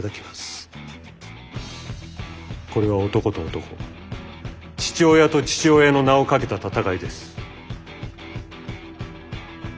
これは男と男父親と父親の名をかけた戦いです。